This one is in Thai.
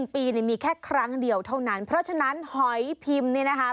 ปีมีแค่ครั้งเดียวเท่านั้นเพราะฉะนั้นหอยพิมพ์เนี่ยนะคะ